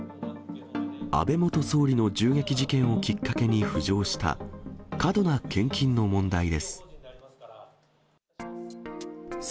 安倍元総理の銃撃事件をきっかけに浮上した、過度な献金の問題です。